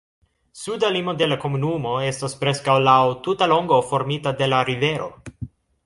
Suda limo de la komunumo estas preskaŭ laŭ tuta longo formita de la rivero.